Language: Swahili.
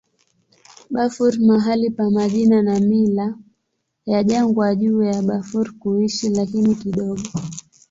Bafur mahali pa majina na mila ya jangwa juu ya Bafur kuishi, lakini kidogo.